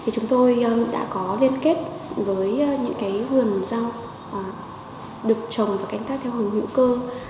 chúng tôi đã có liên kết với những vườn rau được trồng và canh tác theo hướng hữu cơ